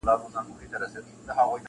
حقيقت د وخت قرباني کيږي تل-